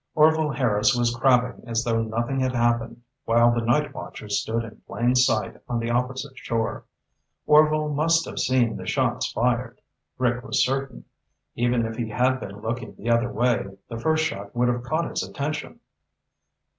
Orvil Harris was crabbing as though nothing had happened, while the night watchers stood in plain sight on the opposite shore. Orvil must have seen the shots fired, Rick was certain. Even if he had been looking the other way, the first shot would have caught his attention.